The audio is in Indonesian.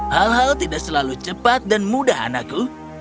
hal hal tidak selalu cepat dan mudah anakku